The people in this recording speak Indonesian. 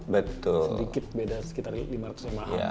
sedikit beda sekitar lima ratus jemaah